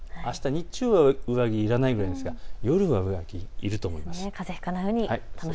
日中は上着いらないくらいですが夜は上着いると思います。